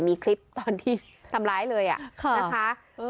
มีคลิปตอนที่ทำร้ายเลยนะคะ